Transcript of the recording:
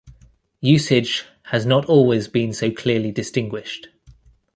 Usage has not always been so clearly distinguished.